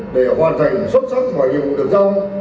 để hoàn thành xuất sắc mọi nhiệm vụ được giao